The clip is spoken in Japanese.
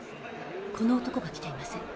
この男が来ていません。